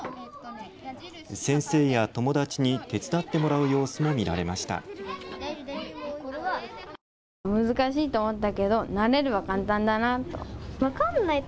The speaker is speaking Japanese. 先生や友達に手伝ってもらう様子も見られました。